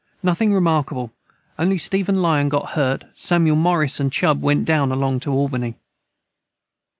Nothing remarkable only Stephen Lyon got hurt Samuel Morris & Chub went down along to Albany.